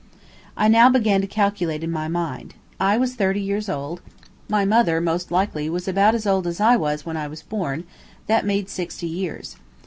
I now began to calculate in my mind. I was thirty years old; my mother, most likely, was about as old when I was born; that made sixty years.